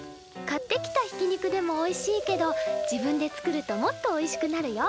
買ってきたひき肉でもおいしいけど自分で作るともっとおいしくなるよ。